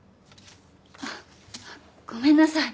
あっごめんなさい。